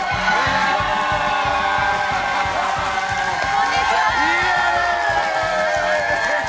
こんにちは。